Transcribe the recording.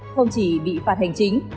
không chỉ bị phạt hành chính